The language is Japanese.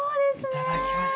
いただきます。